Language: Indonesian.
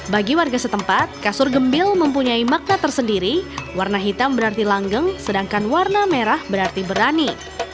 bagi warga setempat kasur gembil mempunyai makna tersendiri warna hitam berarti langgeng sedangkan warna merah berarti berani